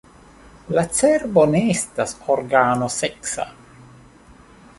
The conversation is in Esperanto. La cerbo ne estas organo seksa.